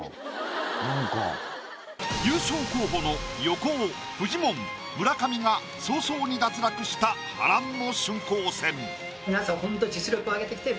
優勝候補の横尾フジモン村上が早々に脱落した波乱の春光戦。